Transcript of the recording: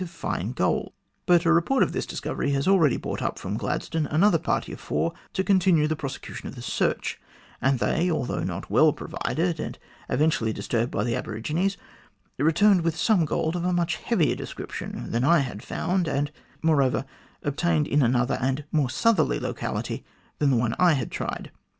of fine gold. But a report of this discovery has already brought up from Gladstone another party of four to continue the prosecution of the search, and they, although not well provided, arid eventually disturbed by the aborigines, returned with some gold of a much heavier description than I had found, and, moreover, obtained in another and more southern locality than the one I had tried.